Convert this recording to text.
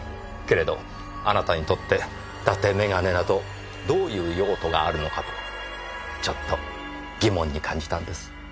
けれどあなたにとって伊達眼鏡などどういう用途があるのかとちょっと疑問に感じたんです。